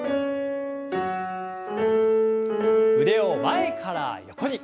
腕を前から横に。